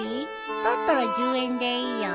だったら１０円でいいよ。